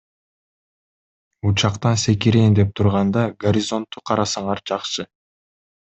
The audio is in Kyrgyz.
Учактан секирейин деп турганда горизонтту карасаңар жакшы.